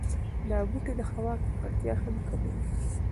دا بوټي د هوا ککړتیا هم کموي.